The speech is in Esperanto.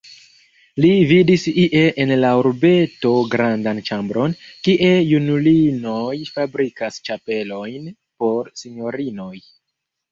Li vidis ie en la urbeto grandan ĉambron, kie junulinoj fabrikas ĉapelojn por sinjorinoj.